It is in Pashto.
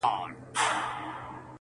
• زما غویی که په منطقو پوهېدلای -